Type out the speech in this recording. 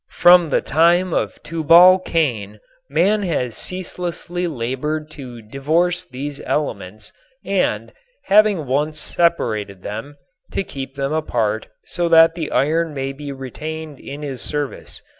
From the time of Tubal Cain man has ceaselessly labored to divorce these elements and, having once separated them, to keep them apart so that the iron may be retained in his service.